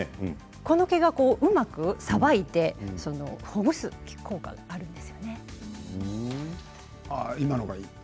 この毛がうまくさばいてほぐす効果があるんです。